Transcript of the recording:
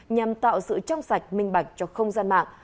nhằm tạo sự trong sạch minh bạch cho không gian mạng